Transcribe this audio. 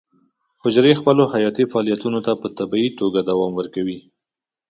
حجرې خپلو حیاتي فعالیتونو ته په طبیعي توګه دوام ورکوي.